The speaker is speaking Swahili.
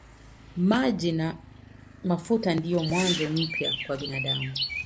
Maji na mafuta ndiyo mwanzo mpya kwa binadamu.